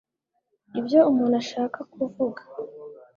ibyo umuntu ashaka kuvuga